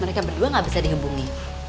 mereka berdua gak bisa dihubungi